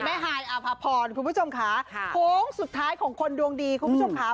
แม่ฮายอภพรคุณผู้ชมขาโพงสุดท้ายของคนดวงดีคุณผู้ชมขา